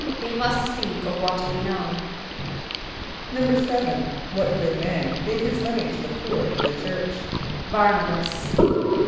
="We must speak of what we know."= =7.= What good man gave his money to the poor in the church? =Bär´na b[)a]s.